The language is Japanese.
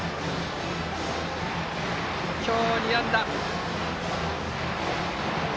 今日２安打。